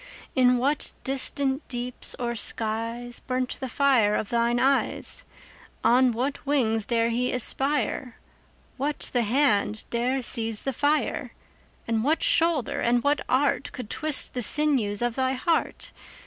In what distant deeps or skies 5 Burnt the fire of thine eyes? On what wings dare he aspire? What the hand dare seize the fire? And what shoulder and what art Could twist the sinews of thy heart?